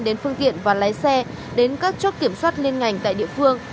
đến phương tiện và lái xe đến các chốt kiểm soát liên ngành tại địa phương